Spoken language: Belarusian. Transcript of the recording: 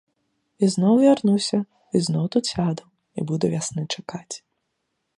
Ізноў вярнуся, ізноў тут сяду і буду вясны чакаць.